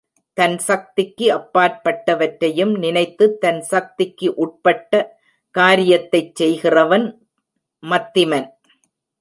தன் சக்திக்கு அப்பாற்பட்டவற்றையும் நினைத்துத் தன் சக்திக்கு உட்பட்ட காரியத்தைச் செய்கிறவன் மத்திமன்.